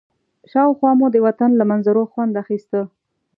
شاوخوا مو د وطن له منظرو خوند اخيسته.